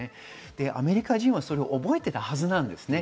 アメリカ人はそれを覚えてるはずなんです。